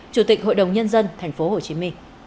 chủ tịch hội đồng nhân dân tp hcm